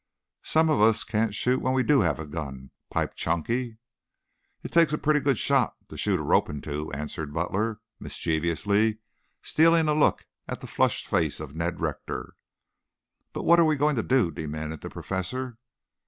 "Some of us can't shoot when we do have a gun," piped Chunky. "It takes a pretty good shot to shoot a rope in two," answered Butler mischievously, stealing a look at the flushed face of Ned Rector. "But what are we going to do?" demanded the Professor.